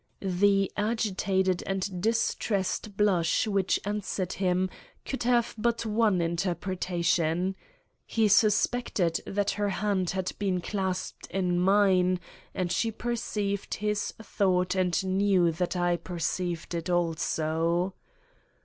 The agitated and distressed blush which answered him could have but one interpretation. He suspected that her hand had been clasped in mine, and she perceived his thought and knew that I perceived it also.